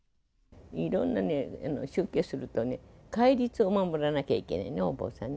いろんなね、出家すると戒律を守らなきゃいけないね、お坊さんね。